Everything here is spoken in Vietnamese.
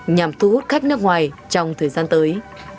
nhằm thu hút khách nước ngoài trong thời gian tới